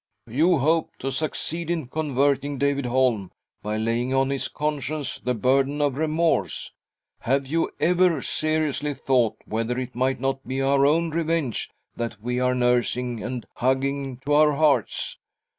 " You hope to succeed in converting David Holm by laying on his conscience the burden of remorse. Have you ever seriously thought whether it might not be our own revenge that we are nursing and hugging to our hearts?